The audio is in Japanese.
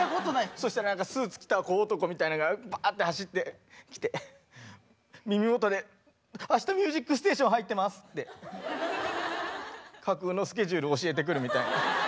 そしたら何かスーツ着た小男みたいなのがバーッて走ってきて耳元で「あした『ミュージックステーション』入ってます」って架空のスケジュール教えてくるみたいな。